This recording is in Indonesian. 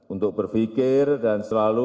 untuk berpikir dan selalu